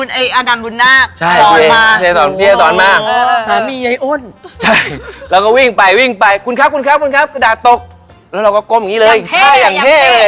แล้วเราก็ก้มอย่างงี้เลยอย่างเท่อย่างเท่